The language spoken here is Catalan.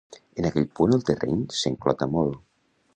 En aquell punt el terreny s'enclota molt.